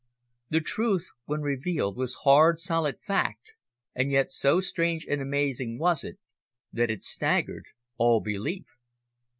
The truth when revealed was hard, solid fact, and yet so strange and amazing was it that it staggered all belief.